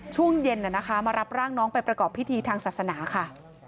ช่วงเย็นมารับร่างน้องไปประกอบพิธีทางศาสนาค่ะ